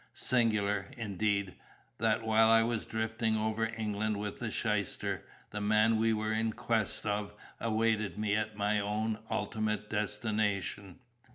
Singular, indeed, that while I was drifting over England with the shyster, the man we were in quest of awaited me at my own ultimate destination.